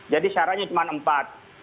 jadi syaratnya cuma empat